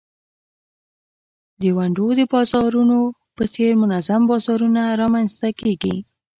د ونډو د بازارونو په څېر منظم بازارونه رامینځته کیږي.